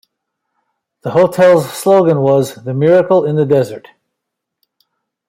The hotel's slogan was "The Miracle in the Desert".